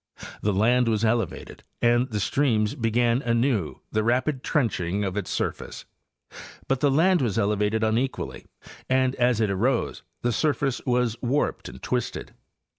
The land was elevated and the streams began anew the rapid trenching of its surface; but the land was elevated unequally, and as it arose the surface was warped and twisted.